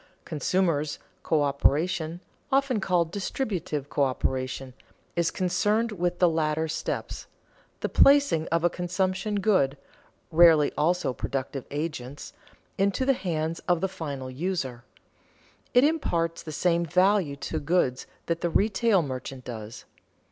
Consumers' coöperation (often called distributive coöperation) is concerned with the later steps, the placing of a consumption good (rarely also productive agents) into the hands of the final user. It imparts the same value to goods that the retail merchant does.